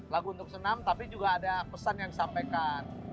lagu untuk senam tapi juga ada pesan yang disampaikan